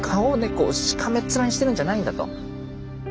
こうしかめっ面にしてるんじゃないんだと。